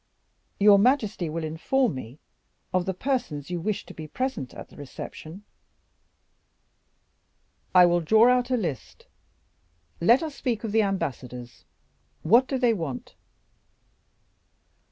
"Your majesty will inform me of the persons whom you wish to be present at the reception." "I will draw out a list. Let us speak of the ambassadors; what do they want?"